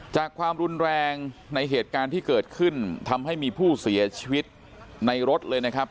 ความรุนแรงในเหตุการณ์ที่เกิดขึ้นทำให้มีผู้เสียชีวิตในรถเลยนะครับ